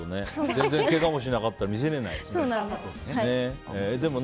全然けがもしなかったら見せられないしね。